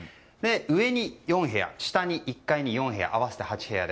上に４部屋、下に部屋合わせて８部屋。